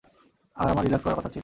আর আমার রিল্যাক্স করার কথা ছিল।